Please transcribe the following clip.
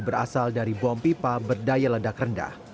berasal dari bom pipa berdaya ledak rendah